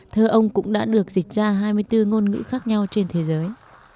thơ ông cũng đã được dịch ra hai mươi bốn ngôn ngữ khác nhau trên thế giới